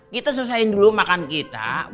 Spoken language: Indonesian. kita selesaikan dulu makan kita